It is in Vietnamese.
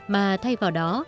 mà thay vào đó